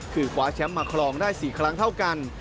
คือคว้าแชมป์มาครองได้๔ครั้งเท่ากัน